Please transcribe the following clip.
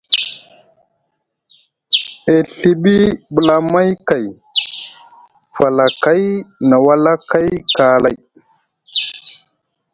E Ɵiɓi ɓlamay kay, falakay na walakay kaalay.